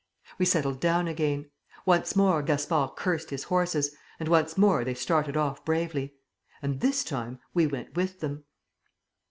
We settled down again. Once more Gaspard cursed his horses, and once more they started off bravely. And this time we went with them.